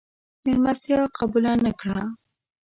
مېلمستیا قبوله نه کړه.